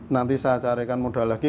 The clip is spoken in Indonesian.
nanti saya carikan modal lagi